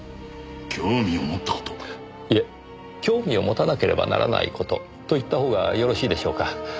いえ興味を持たなければならない事と言った方がよろしいでしょうか。